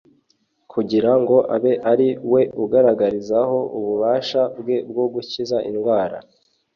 kugira ngo abe ari we agaragarizaho ububasha Bwe bwo gukiza indwara